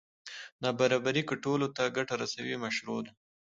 نابرابري که ټولو ته ګټه رسوي مشروع ده.